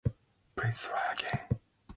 Please, try again.